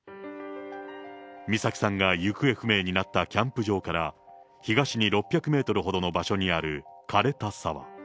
美咲さんが行方不明になったキャンプ場から東に６００メートルほどの場所にある枯れた沢。